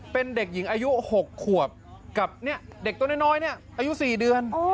เป็นเด็กหญิงอายุ๖ขวบกับเด็กตัวน้อยเนี่ยอายุ๔เดือน